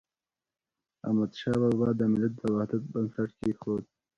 احمدشاه بابا د ملت د وحدت بنسټ کيښود.